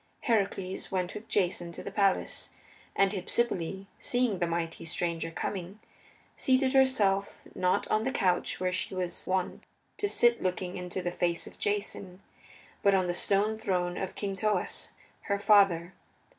Heracles went with Jason to the palace, and Hypsipyle, seeing the mighty stranger coming, seated herself, not on the couch where she was wont to sit looking into the face of Jason, but on the stone throne of King Thoas, her father.